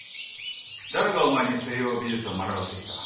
誰がお前に西洋美術を学ばせてきた？